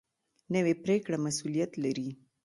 نوې پرېکړه مسؤلیت لري